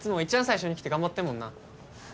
最初に来て頑張ってんもんな。